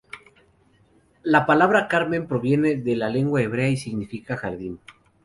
La palabra "Carmen" proviene de la lengua hebrea y significa jardín.